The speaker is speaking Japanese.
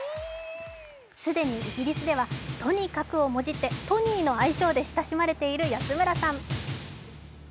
既にイギリスでは「トニカク」をもじってトニーの愛称で親しまれている安村さん。